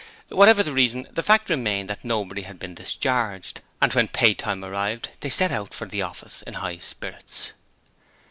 Whatever the reason, the fact remained that nobody had been discharged, and when pay time arrived they set out for the office in high spirits.